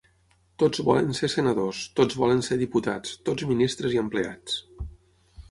Tots volen ser senadors, tots volen ser diputats, tots ministres i empleats.